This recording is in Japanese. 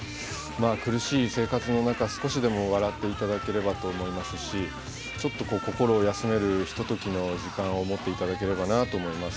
苦しい生活の中少しでも笑っていただければと思いますしちょっと心を休めるひとときの時間を持っていただければなと思います。